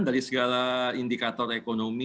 dari segala indikator ekonomi